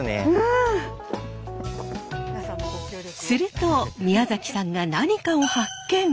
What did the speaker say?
すると宮崎さんが何かを発見！